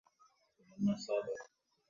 Gwaride la wanajeshi.